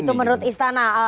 itu menurut istana